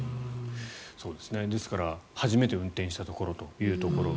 ですから初めて運転したというところ。